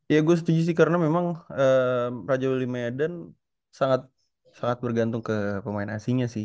ya gue setuju sih karena memang raja willy medan sangat bergantung ke pemain asingnya sih